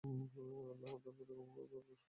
আল্লাহ তার প্রতি ক্ষমা পরবশ হলেন।